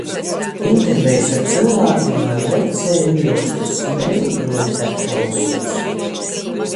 Intervejis ar cylvākim voi lekceju īrokstus meilupruot tai klausūs.